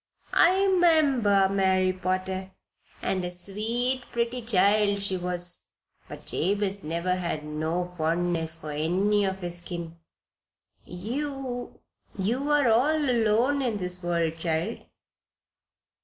I 'member Mary Potter, and a sweet, pretty child she was. But Jabez never had no fondness for any of his kin. You you are all alone in the world, child?"